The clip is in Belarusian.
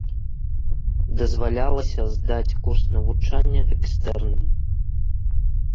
Дазвалялася здаць курс навучання экстэрнам.